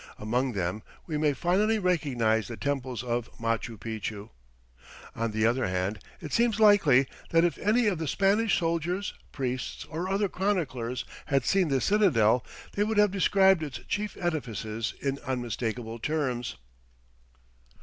Among them we may finally recognize the temples of Machu Picchu. On the other hand, it seems likely that if any of the Spanish soldiers, priests, or other chroniclers had seen this citadel, they would have described its chief edifices in unmistakable terms.